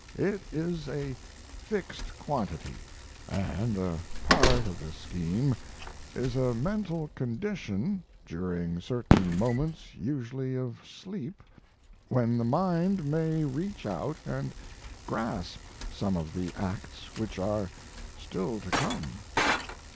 It is a fixed quantity, and a part of the scheme is a mental condition during certain moments usually of sleep when the mind may reach out and grasp some of the acts which are still to come."